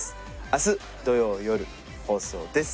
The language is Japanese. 明日土曜よる放送です。